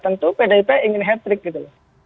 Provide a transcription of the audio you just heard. tentu pdip ingin hat trick gitu loh